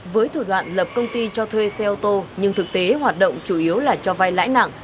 với thủ đoạn lập công ty cho thuê xe ô tô nhưng thực tế hoạt động chủ yếu là cho vai lãi nặng